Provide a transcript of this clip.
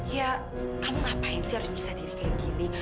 ya kamu ngapain sih harus nyiksa diri kayak gini